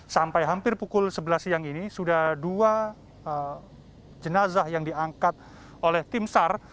sampai hampir pukul sebelas siang ini sudah dua jenazah yang diangkat oleh tim sar